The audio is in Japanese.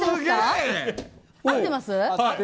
合ってます。